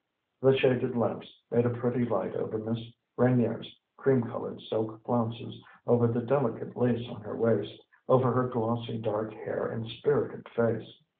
The shaded lamps made a pretty light over Miss Reynier's cream colored silk flounces, over the delicate lace on her waist, over her glossy dark hair and spirited face.